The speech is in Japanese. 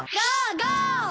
ゴー！